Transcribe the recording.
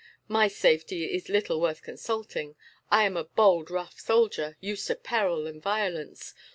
"My safety is little worth consulting. I am a bold, rough soldier, used to peril and violence.